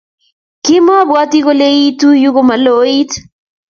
Kimabwati kole iitu yuu komaloit